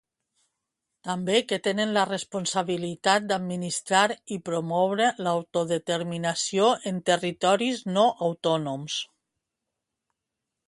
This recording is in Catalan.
També que tenen la responsabilitat d'administrar i promoure l'autodeterminació en territoris no autònoms.